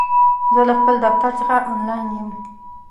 زه له خپل دفتر څخه آنلاین یم!